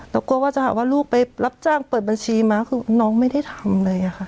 กลัวว่าจะหาว่าลูกไปรับจ้างเปิดบัญชีมาคือน้องไม่ได้ทำเลยค่ะ